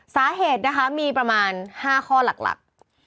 สาเหตุนะคะมีประมาณ๕ข้อหลัก